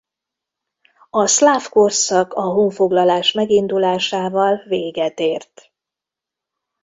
A szláv korszak a honfoglalás megindulásával véget ért.